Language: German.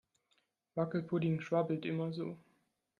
Wackelpudding schwabbelt immer so.